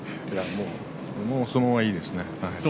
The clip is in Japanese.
もう相撲はいいですね。